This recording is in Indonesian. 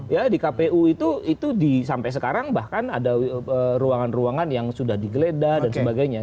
ya di kpu itu sampai sekarang bahkan ada ruangan ruangan yang sudah digeledah dan sebagainya